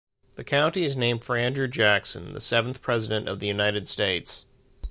The county is named for Andrew Jackson, the seventh president of the United States.